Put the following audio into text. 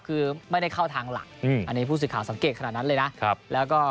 คือก็ไม่ได้เข้าทางหลังอันนี้พูดสีข่าวสังเกตขนาดนัดเลยนะครับ